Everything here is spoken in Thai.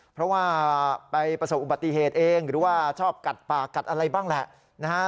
เพราะว่าไปประสบอุบัติเหตุเองหรือว่าชอบกัดป่ากัดอะไรบ้างแหละนะฮะ